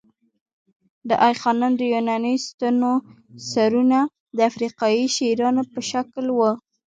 د آی خانم د یوناني ستونو سرونه د افریقايي شیرانو په شکل وو